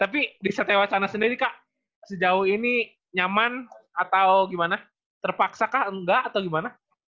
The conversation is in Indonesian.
tapi di sate wacana sendiri kah sejauh ini nyaman atau gimana terpaksa kah enggak atau gimana